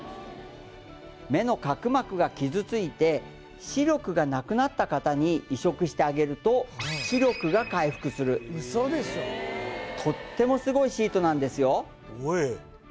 目の角膜が傷ついて視力がなくなった方に移植してあげると視力が回復するとってもスゴイシートなんですよ